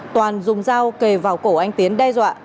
toàn dùng dao kề vào cổ anh tiến đe dọa